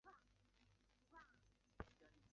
现在已经和以前的时代不同了